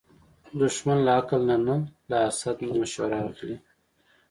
دښمن له عقل نه نه، له حسد نه مشوره اخلي